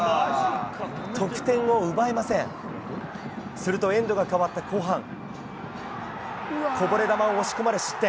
すると、エンドが変わった後半こぼれ球を押し込まれ、失点。